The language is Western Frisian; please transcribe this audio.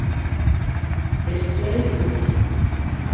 Display út.